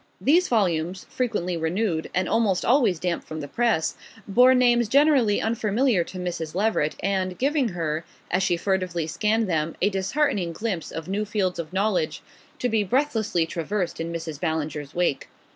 These volumes, frequently renewed, and almost always damp from the press, bore names generally unfamiliar to Mrs. Leveret, and giving her, as she furtively scanned them, a disheartening glimpse of new fields of knowledge to be breathlessly traversed in Mrs. Ballinger's wake.